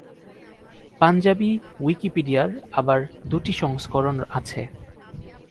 পাঞ্জাবী উইকিপিডিয়ার আবার দুটি সংস্করণ আছে।